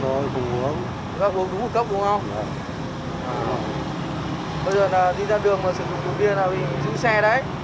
bây giờ là đi ra đường mà sử dụng nồng độ bia là vì dưới xe đấy